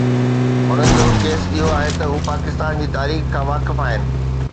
هنن جو ڪيس اهو آهي ته هو پاڪستان جي تاريخ کان واقف آهن.